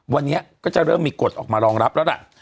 วันนี้ก็จะเริ่มมีกฎออกมารองรับแล้วล่ะ